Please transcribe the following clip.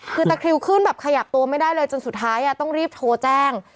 คือตะคริวขึ้นแบบขยับตัวไม่ได้เลยจนสุดท้ายต้องรีบโทรแจ้ง